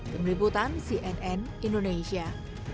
kemeriputan cnn indonesia